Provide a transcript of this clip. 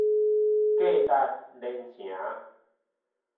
價值連城